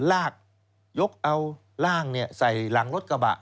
ลากยกเอาร่างใส่หลังรถกระบะ